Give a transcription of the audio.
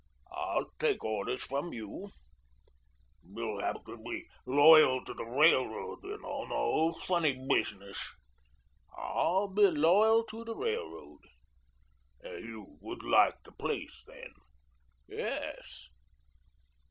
"I'll take orders from you." "You'll have to be loyal to railroad, you know. No funny business." "I'll be loyal to the railroad." "You would like the place then?" "Yes."